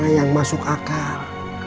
yang masuk akal